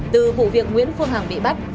từ vụ việc nguyễn phương hằng bị bắt